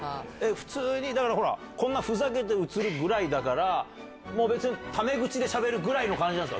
普通に、だからほら、こんなふざけて写るぐらいだから、もう別に、ため口でしゃべるぐらいの感じなんですか？